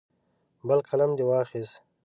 بل قلم دې واخیست.